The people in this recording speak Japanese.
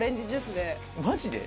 マジで？